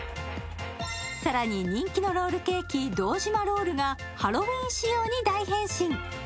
更に人気のロールケーキ、堂島ロールがハロウィン仕様に大変身。